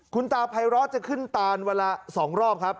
คุณตาไพร้อจะขึ้นตานวันละ๒รอบครับ